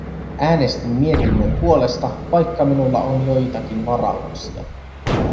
Äänestin mietinnön puolesta, vaikka minulla on joitakin varauksia.